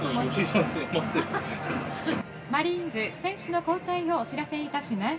マリーンズ、選手の交代をお知らせいたします。